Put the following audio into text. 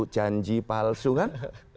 janji palsu kan